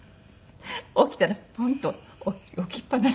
起きたらポンと置きっ放し。